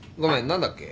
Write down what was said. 何だっけ？